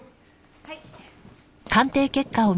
はい。